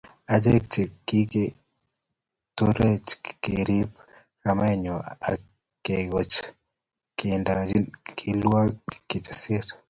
Acheget che kikoturech kerib kamanatanyo ak kekoch kondinyi, kiwol Kijasiri